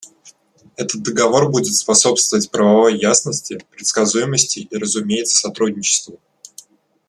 Этот Договор будет способствовать правовой ясности, предсказуемости и, разумеется, сотрудничеству.